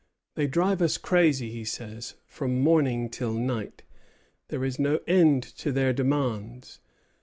"They drive us crazy," he says, "from morning till night. There is no end to their demands.